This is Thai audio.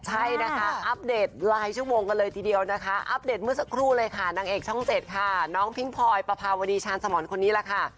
ใช่นะคะอัปเดตรายชั่วโมงกันเลยทีเดียวนะคะอัปเดตเมื่อสักครู่เลยค่ะนางเอกช่องเจ็ดค่ะน้องพิงพลอยปภาวดีชาญสมรคนนี้แหละค่ะ